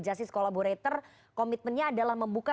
justice collaborator komitmennya adalah membuka